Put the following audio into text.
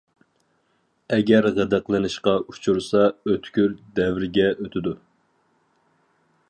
ئەگەر غىدىقلىنىشقا ئۇچۇرسا ئۆتكۈر دەۋرگە ئۆتىدۇ.